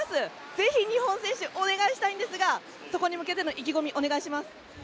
ぜひ日本選手お願いしたいんですがそこに向けての意気込みお願いします。